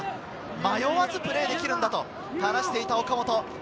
迷わずプレーができると話していた岡本。